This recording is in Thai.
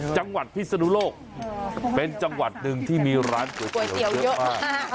จังหวัดพิศนุโลกเป็นจังหวัดหนึ่งที่มีร้านก๋วยเตี๋ยวเยอะมาก